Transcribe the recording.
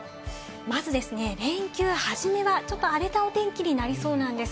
まず、連休はじめはちょっと荒れたお天気になりそうなんです。